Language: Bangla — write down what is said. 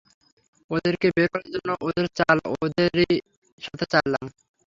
ওদেরকে বের করার জন্য ওদের চাল ওদেরই সাথে চাললাম।